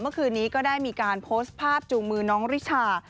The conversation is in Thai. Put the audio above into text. เมื่อคืนนี้ก็ได้มีการโพสต์ภาพจูงมือน้องริชา